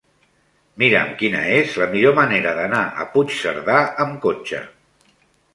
Mira'm quina és la millor manera d'anar a Puigcerdà amb cotxe.